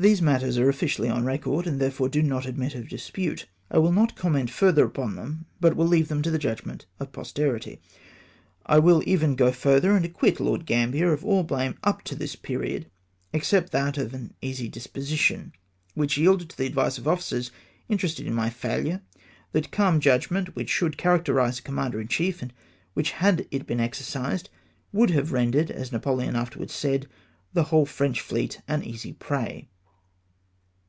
398 BOOM NOT BEOKEN BY THE MEDIATOE. These matters are officially on record, and therefore do not admit of dispute. I will not comment further upon them, but will leave them to the judgment of pos terity. I w^ll even go further, and acquit Lord Gam bier of all blame up to this period, except that of an easy disposition, which yielded to the advice of officers interested in my failure, that calm judgment which should characterise a commander in chief, and which, had it been exercised, would have rendered, as Napoleon afterwards said, the whole French fleet an easy prey.